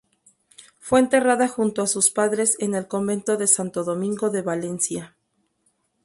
Fue enterrada junto a sus padres en el convento de Santo Domingo de Valencia.